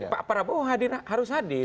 pak prabowo harus hadir